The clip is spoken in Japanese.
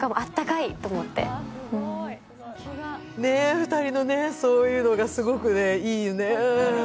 ２人のそういうのがすごくいいね。